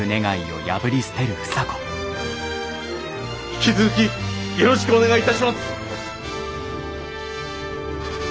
引き続きよろしくお願いいたします！